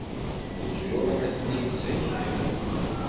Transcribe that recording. Leǧruḥ ad-ten-id-sakiɣ.